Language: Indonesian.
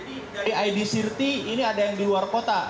jadi dari id sirti ini ada yang di luar kota